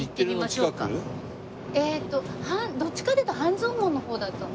えっとどっちかというと半蔵門の方だと。